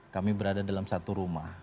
kami berada dalam satu rumah